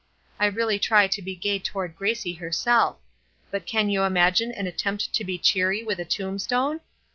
I really try to be gay toward Gracie herself; but can you imagine an attempt to be cheery with a tombstone?